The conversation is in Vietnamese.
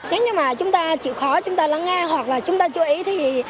nếu như mà chúng ta chịu khó chúng ta lắng ngang hoặc là chúng ta chú ý thì